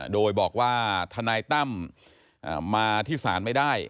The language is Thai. โดยบอกว่าทนายตั้มมาที่ศาลไม่ได้